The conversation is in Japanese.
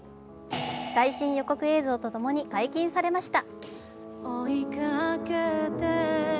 最終予告映像と共に解禁されました。